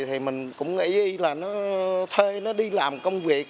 thì mình cũng ý ý là nó thuê nó đi làm công việc